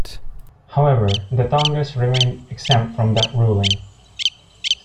However, the Tongass remained exempt from that ruling.